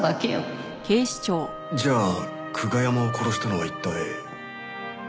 じゃあ久我山を殺したのは一体。